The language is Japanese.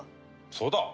そうだ！